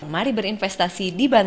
mari berinvestasi di banten